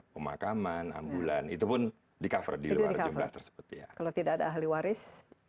pemakaman ambulan itu pun di cover di luar jumlah tersebut ya kalau tidak ada ahli waris